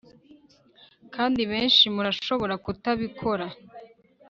kandi benshi murashobora kutabikora